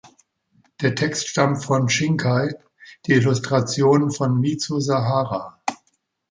Der Text stammt von Shinkai, die Illustrationen von Mizu Sahara.